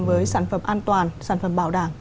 với sản phẩm an toàn sản phẩm bảo đảm